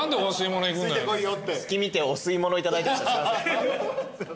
隙見てお吸い物いただいてましたすいません。